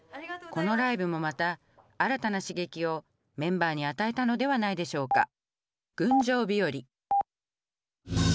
このライブもまた新たな刺激をメンバーに与えたのではないでしょうか。